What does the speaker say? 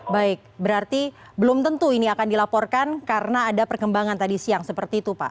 baik berarti belum tentu ini akan dilaporkan karena ada perkembangan tadi siang seperti itu pak